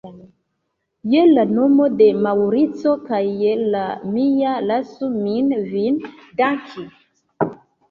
Je la nomo de Maŭrico kaj je la mia, lasu min vin danki.